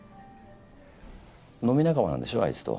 飲み仲間なんでしょあいつと。